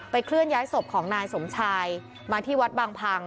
เคลื่อนย้ายศพของนายสมชายมาที่วัดบางพัง